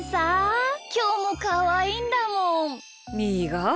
みーが？